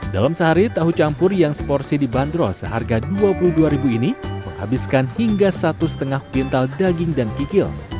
dalam sehari tahu campur yang seporsi dibanderol seharga dua puluh dua ini menghabiskan hingga satu lima kuintal daging dan kikil